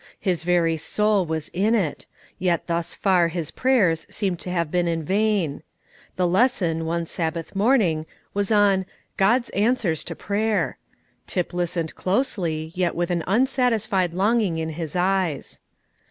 His very soul was in it; yet thus far his prayers seemed to have been in vain. The lesson, one Sabbath morning, was on "God's answers to prayer." Tip listened closely, yet with an unsatisfied longing in his eyes.